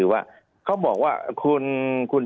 ภารกิจสรรค์ภารกิจสรรค์